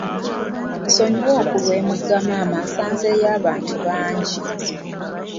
Nsonyiwa okulwa emugga maama nsanzeeyo abantu bangi.